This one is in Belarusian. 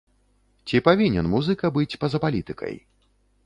Ці павінен музыка быць па-за палітыкай?